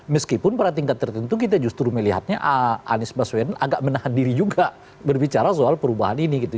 meskipun pada tingkat tertentu kita justru melihatnya anies baswedan agak menahan diri juga berbicara soal perubahan ini gitu